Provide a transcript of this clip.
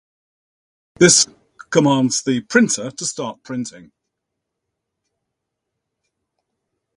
This commands the printer to start printing.